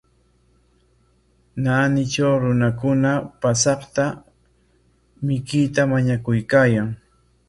Naanitraw runakuna paasaqta mikuyta mañakuykaayan.